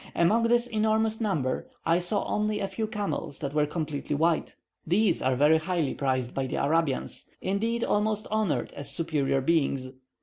Among this enormous number, I saw only a few camels that were completely white. These are very highly prized by the Arabians; indeed, almost honoured as superior beings.